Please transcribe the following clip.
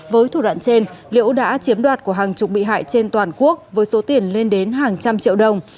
với thủ đoạn trên liễu đã chiếm đoạt của hàng chục bị hại trên toàn quốc với số tiền lên đến hàng trăm triệu đồng